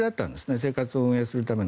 生活を運営するための。